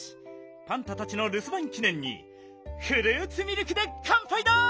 パンタたちのるすばんきねんにフルーツミルクでかんぱいだ！